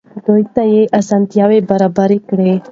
دوی ته اسانتیاوې برابرې کړئ.